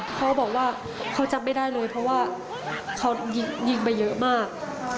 เขาบอกว่าเขาจับไม่ได้เลยเพราะว่าเขายิงไปเยอะมาก